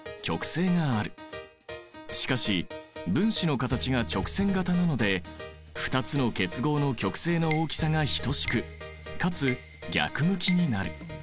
しかし分子の形が直線形なので２つの結合の極性の大きさが等しくかつ逆向きになる。